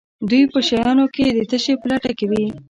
دوی په شیانو کې د تشې په لټه کې وي.